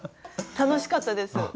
楽しかったです